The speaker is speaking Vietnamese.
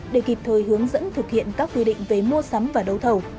để kịp thời hướng dẫn thực hiện các quy định về mua sắm và đấu thầu